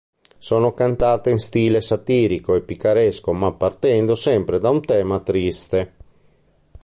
Sono cantate in stile satirico e picaresco ma partendo sempre da un tema triste.